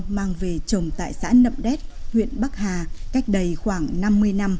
sau mang về trồng tại xã nậm đét huyện bắc hà cách đầy khoảng năm mươi năm